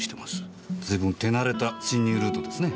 随分手馴れた侵入ルートですね？